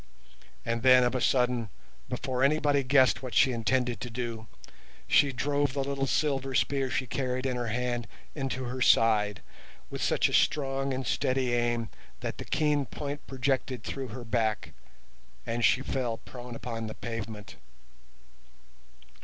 And then, of a sudden, before anybody guessed what she intended to do, she drove the little silver spear she carried in her hand into her side with such a strong and steady aim that the keen point projected through her back, and she fell prone upon the pavement.